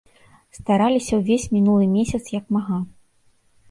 Стараліся ўвесь мінулы месяц як мага.